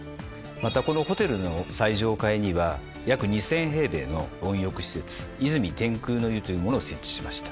またこのホテルの最上階には約２，０００平米の温浴施設「泉天空の湯」というものを設置しました。